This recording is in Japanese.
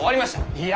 いえ！